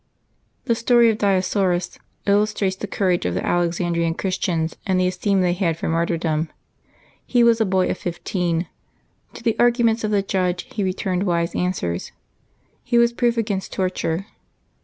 The story of Dioscorus illustrates the courage of the Alex andrian Christians, and the esteem they had for martyr dom. He was a boy of fifteen. To the arguments of the judge he returned wise answers : he was proof against tor ture.